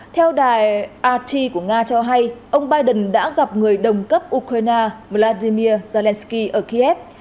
theo đài it của nga cho hay ông biden đã gặp người đồng cấp ukraine vladimir zelensky ở kiev